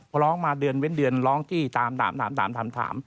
พอร้องมาเดือนเว้นเดือนร้องจี้ตามถามถาม